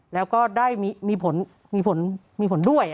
แล้วก็ได้มีผลมีผลด้วย